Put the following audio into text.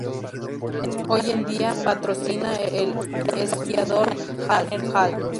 Hoy en día, patrocina al esquiador Tanner Hall.